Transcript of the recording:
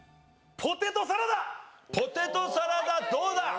ポテトサラダどうだ？